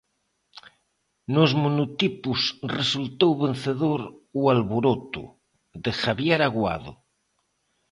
Nos monotipos resultou vencedor o Alboroto de Javier Aguado.